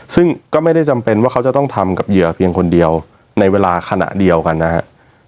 ซึ่งก็ไม่ได้จำเป็นว่าเขาจะต้องทำกับเหยื่อเพียงคนเดียวในเวลาขณะเดียวกันนะฮะ